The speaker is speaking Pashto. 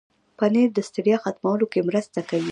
پنېر د ستړیا ختمولو کې مرسته کوي.